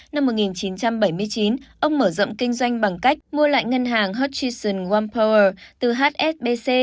năm một nghìn chín trăm bảy mươi chín ông mở rộng kinh doanh bằng cách mua lại ngân hàng hutchinson one power từ hsbc